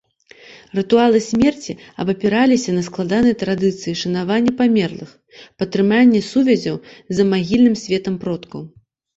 Рытуалы смерці абапіраліся на складаныя традыцыі шанавання памерлых, падтрымання сувязяў з замагільным светам продкаў.